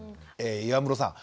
岩室さん